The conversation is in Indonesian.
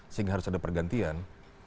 sehingga harus ada pergantian